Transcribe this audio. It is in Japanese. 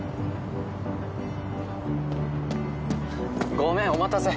ごめんお待たせ。